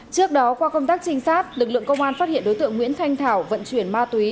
trước đó qua công tác trinh sát lực lượng công an phát hiện đối tượng nguyễn thanh thảo vận chuyển ma túy